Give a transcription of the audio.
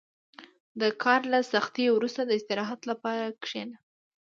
• د کار له سختۍ وروسته، د استراحت لپاره کښېنه.